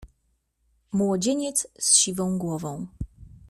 "Młodzieniec z siwą głową."